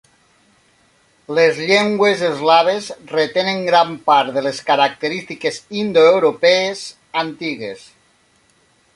Les llengües eslaves retenen gran part de les característiques indoeuropees antigues.